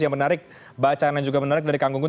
yang menarik bacaan yang juga menarik dari kang gunggun